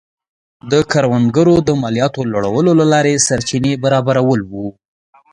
د کروندګرو د مالیاتو لوړولو له لارې سرچینې برابرول و.